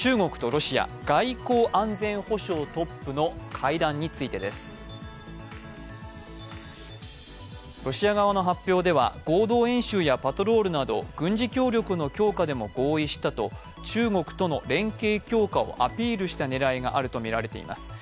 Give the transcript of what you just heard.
ロシア側の発表では合同演習やパトロールなど軍事協力の強化でも合意したと中国との連携強化をアピールしたねらいがあるとみられます。